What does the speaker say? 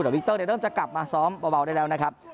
วิกเตอร์เริ่มจะกลับมาซ้อมเบาได้แล้วนะครับ